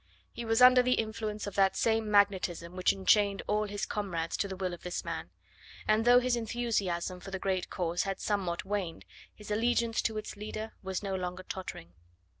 He was under the influence of that same magnetism which enchained all his comrades to the will of this man; and though his enthusiasm for the great cause had somewhat waned, his allegiance to its leader was no longer tottering.